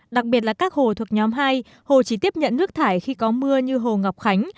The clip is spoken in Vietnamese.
đặc biệt là các hồ thuộc nhóm hai hồ chỉ tiếp nhận nước thải khi có mưa như hồ ngọc khánh